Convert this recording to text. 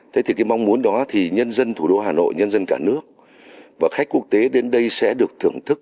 thế thì cái mong muốn đó thì nhân dân thủ đô hà nội nhân dân cả nước và khách quốc tế đến đây sẽ được thưởng thức